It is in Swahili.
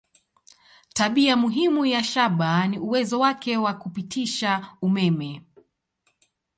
Tabia muhimu ya shaba ni uwezo wake wa kupitisha umeme.